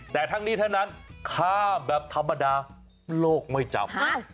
แต่ทั้งนี้เท่านั้นข้ามแบบธรรมดาโลกไม่จำ